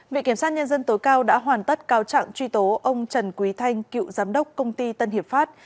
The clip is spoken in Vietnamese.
viện kiểm sát nhân dân tối cao đã hoàn tất cáo trạng truy tố ông trần quý thanh cựu giám đốc công ty tân hiệp pháp